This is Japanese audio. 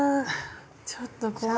ちょっと怖い。